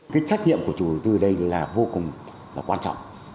cái trách nhiệm của chủ tư đây là vô cùng là quan trọng